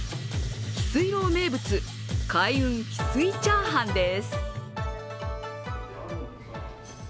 翡翠楼名物開運翡翠チャーハンです。